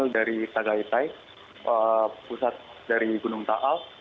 dari tagaitai pusat dari gunung taal